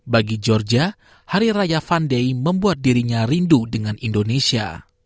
bagi georgia hari raya vanday membuat dirinya rindu dengan indonesia